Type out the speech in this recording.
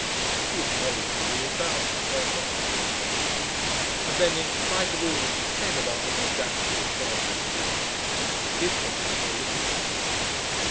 He acknowledged that he had bound himself not to do so. And then, in spite of all that he said about the mendacity of Castle Quin, he did believe the little history.